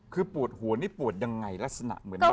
คือปวดหัวนี่ปวดยังไงลักษณะเหมือนแบบ